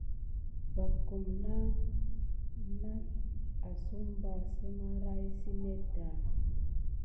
Va kuna nat asumɓa simray si net ɗà.